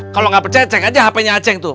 kalau gak pecek cek aja hpnya aceh tuh